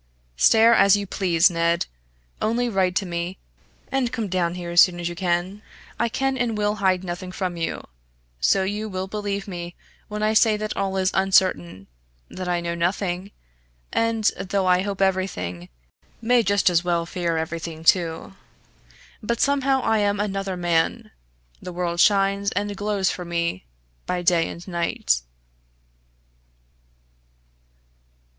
"Stare as you please, Ned! Only write to me, and come down here as soon as you can. I can and will hide nothing from you, so you will believe me when I say that all is uncertain, that I know nothing, and, though I hope everything, may just as well fear everything too. But somehow I am another man, and the world shines and glows for me by day and night."